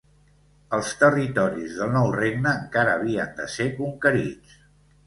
Els territoris del nou regne encara havien de ser conquerits.